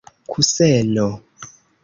kuseno